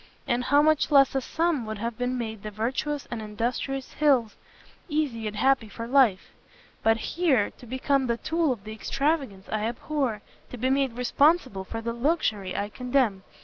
and how much less a sum would have made the virtuous and industrious Hills easy and happy for life! but here, to become the tool of the extravagance I abhor! to be made responsible for the luxury I condemn!